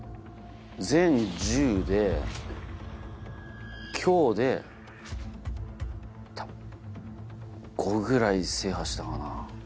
全１０で今日で多分５ぐらい制覇したかな？